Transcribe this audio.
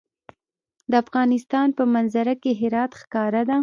د افغانستان په منظره کې هرات ښکاره ده.